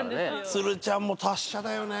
都留ちゃんも達者だよね。